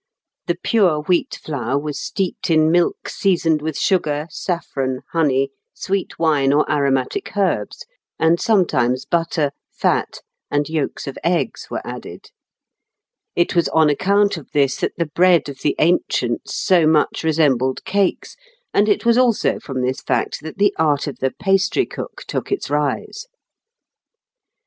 The pure wheat flour was steeped in milk seasoned with sugar, saffron, honey, sweet wine or aromatic herbs, and sometimes butter, fat, and yolks of eggs were added. It was on account of this that the bread of the ancients so much resembled cakes, and it was also from this fact that the art of the pastrycook took its rise.